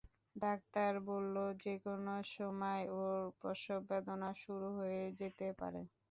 Doctor বললো যেকোনো সময় ওর প্রসববেদনা শুরু হয়ে যেতে পারে।